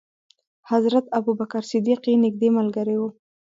حضرت ابو بکر صدیق یې نېږدې ملګری و.